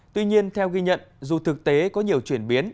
tuy nhiên theo ghi nhận dù thực tế có nhiều chuyển biến